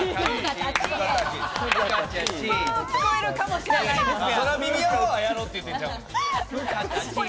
そう聞こえるかもしれないですが。